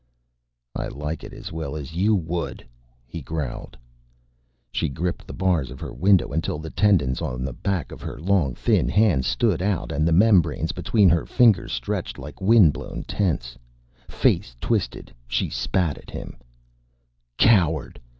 "I like it as well as you would," he growled. She gripped the bars of her window until the tendons on the back of her long thin hands stood out and the membranes between her fingers stretched like wind blown tents. Face twisted, she spat at him, "Coward!